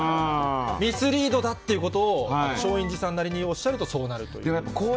ミスリードだっていうことを松陰寺さんなりにおっしゃると、そうなるということ。